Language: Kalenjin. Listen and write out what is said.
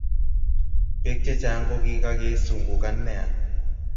Bek chechang kokikakesungukan nea